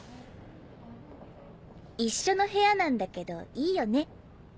一緒の部屋なんだけどいいよね？